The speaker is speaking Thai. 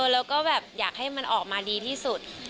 แล้วก็แบบอยากให้มันออกมาดีที่สุด